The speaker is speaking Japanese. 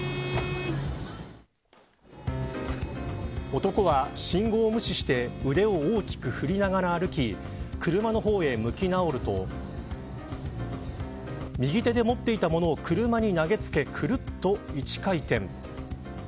男は、信号を無視して腕を大きく振りながら歩き車の方へ向き直ると右手で持っていたものを車に投げつけくるっと１回転。